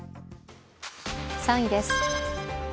３位です。